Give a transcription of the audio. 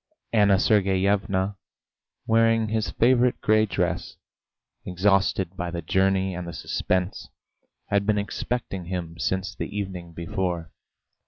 Anna Sergeyevna, wearing his favourite grey dress, exhausted by the journey and the suspense, had been expecting him since the evening before.